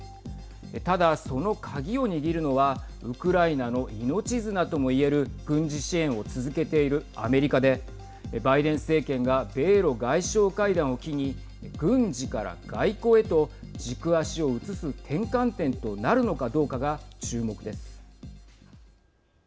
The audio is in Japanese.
ただ、その鍵を握るのはウクライナの命綱ともいえる軍事支援を続けているアメリカでバイデン政権が米ロ外相会談を機に軍事から外交へと軸足を移す転換点となるのかどうかが注目です。